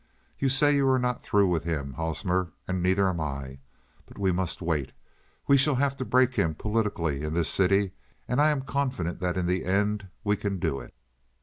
You say you are not through with him, Hosmer, and neither am I. But we must wait. We shall have to break him politically in this city, and I am confident that in the end we can do it."